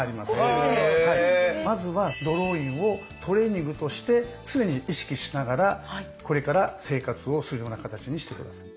まずはドローインをトレーニングとして常に意識しながらこれから生活をするような形にして下さい。